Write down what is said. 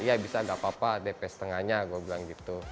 iya bisa gak apa apa dp setengahnya gue bilang gitu